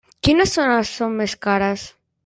Quines zones són més cares?